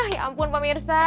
ya ampun pemirsa